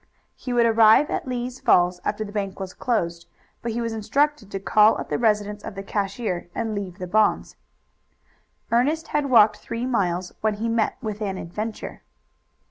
He would arrive at Lee's Falls after the bank was closed, but he was instructed to call at the residence of the cashier and leave the bonds. Ernest had walked three miles when he met with an adventure.